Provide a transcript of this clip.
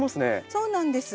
そうなんです。